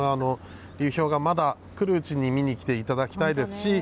流氷が来るうちに見に来ていただきたいです。